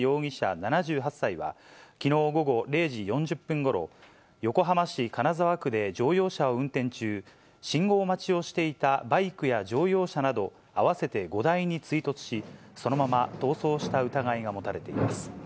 ７８歳は、きのう午後０時４０分ごろ、横浜市金沢区で乗用車を運転中、信号待ちをしていたバイクや乗用車など、合わせて５台に追突し、そのまま逃走した疑いが持たれています。